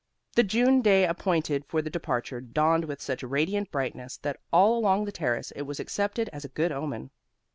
The June day appointed for the departure dawned with such radiant brightness that all along the Terrace it was accepted as a good omen.